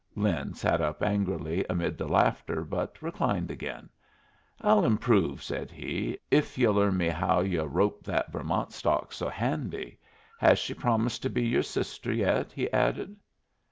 Lin sat up angrily amid the laughter, but reclined again. "I'll improve," said he, "if yu' learn me how yu' rope that Vermont stock so handy. Has she promised to be your sister yet?" he added.